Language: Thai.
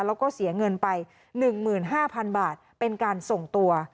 แล้วก็เสียเงินไป๑๕๐๐๐บาทเป็นการส่งตัว